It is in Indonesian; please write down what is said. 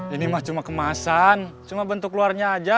ini mah cuma kemasan cuma bentuk luarnya aja